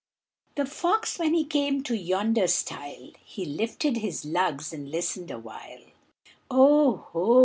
The fox when he came to yonder stile, He lifted his lugs and he listened a while! "Oh, ho!"